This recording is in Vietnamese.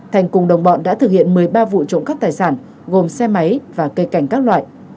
thành cùng đồng bọn đã thực hiện một mươi ba vụ trộm cắp tài sản gồm xe máy và cây cảnh các loại